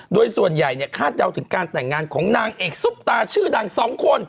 โดยส่วนใหญ่เนี่ยคาดเดาถึงการแต่งงานของนางเอกซุปตาชื่อดัง๒คน